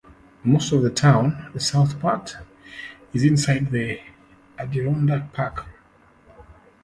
Most of the town, the south part, is inside the Adirondack Park.